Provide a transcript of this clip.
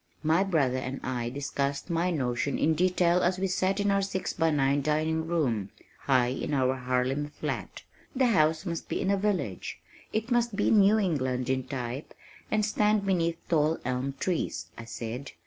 My brother and I discussed my notion in detail as we sat in our six by nine dining room, high in our Harlem flat. "The house must be in a village. It must be New England in type and stand beneath tall elm trees," I said.